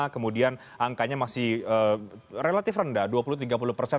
kemudian angkanya masih relatif rendah dua puluh tiga puluh persen